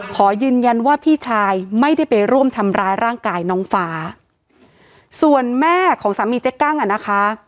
ขอยืนยันว่าพี่ชายไม่ได้ไปร่วมทำร้ายร่างกายน้องฟ้าส่วนแม่ของสามีเจ๊กั้งอ่ะนะคะ